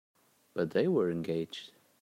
But they were engaged.